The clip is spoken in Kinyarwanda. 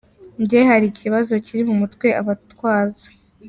Jye hari ikibazo kiri muri twe abatwaza.